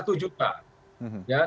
tingkat pengangguran terbuka